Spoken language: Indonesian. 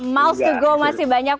miles to go masih banyak